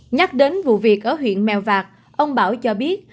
nhắc đến vụ việc ở huyện mèo vạc ông bảo cho biết